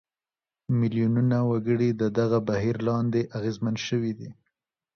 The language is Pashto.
میلیونونه وګړي د دغه بهیر لاندې اغېزمن شوي دي.